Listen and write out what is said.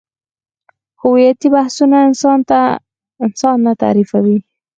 هویتي بحثونه انسان نه تعریفوي.